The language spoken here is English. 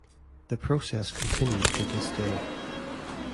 This process continues to this day.